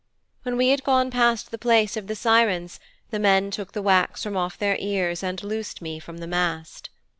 When we had gone past the place of the Sirens the men took the wax from off their ears and loosed me from the mast.'